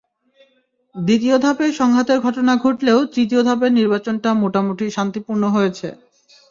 দ্বিতীয় ধাপে সংঘাতের ঘটনা ঘটলেও তৃতীয় ধাপের নির্বাচনটা মোটামুটি শান্তিপূর্ণ হয়েছে।